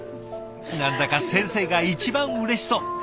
何だか先生が一番うれしそう。